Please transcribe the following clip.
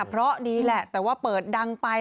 เพราะดีแหละแต่ว่าเปิดดังไป